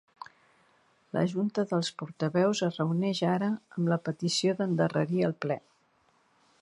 La junta del portaveus es reuneix ara amb la petició d’endarrerir el ple.